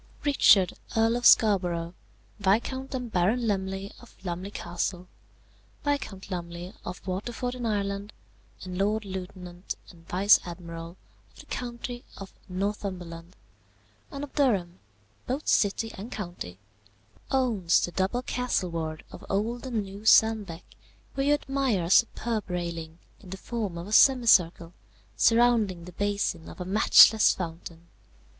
"Richard, Earl of Scarborough, Viscount and Baron Lumley of Lumley Castle, Viscount Lumley of Waterford in Ireland, and Lord Lieutenant and Vice Admiral of the county of Northumberland and of Durham, both city and county, owns the double castleward of old and new Sandbeck, where you admire a superb railing, in the form of a semicircle, surrounding the basin of a matchless fountain.